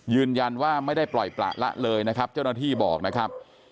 ยืนยันว่าไม่ได้ปล่อยประละเลยนะครับเจ้าหน้าที่บอกนะครับ